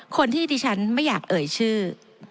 คนที่ดิฉันไม่อยากเอ่ยชื่อ